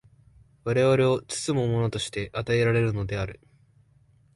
我々を包むものとして与えられるのである。